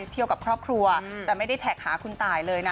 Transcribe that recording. เที่ยวกับครอบครัวแต่ไม่ได้แท็กหาคุณตายเลยนะ